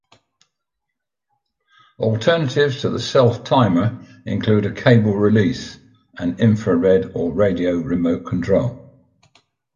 Alternatives to the self-timer include a cable release, and infrared or radio remote control.